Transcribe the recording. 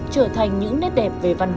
trở thành những nét đẹp về văn hóa